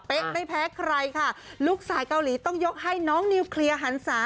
ไม่แพ้ใครค่ะลูกสายเกาหลีต้องยกให้น้องนิวเคลียร์หันศา